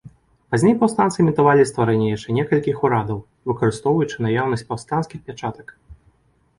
Пазней паўстанцы імітавалі стварэнне яшчэ некалькіх урадаў, выкарыстоўваючы наяўнасць паўстанцкіх пячатак.